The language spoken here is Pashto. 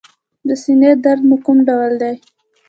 د سینې درد مو کوم ډول دی؟